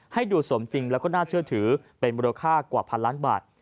ให้ดูสมจริงแล้วก็น่าเชื่อถือเป็นมูลค่ากว่าพันล้านบาท